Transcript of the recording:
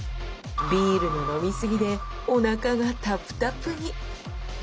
ビールの飲み過ぎでおなかがタプタプに！